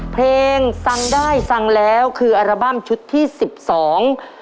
เพลงฟังได้ฟังแล้วคืออัลบั้มชุดที่สิบสอง